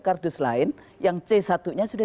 kardus lain yang c satu nya sudah